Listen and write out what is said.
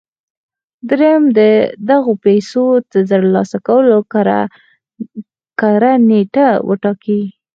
درېيم د دغو پيسو د ترلاسه کولو کره نېټه وټاکئ.